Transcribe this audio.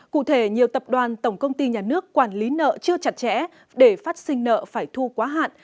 cụ thể nhiều tập đoàn tổng công ty nhà nước quản lý nợ chưa chặt chẽ để phát sinh nợ phải thu quá hạn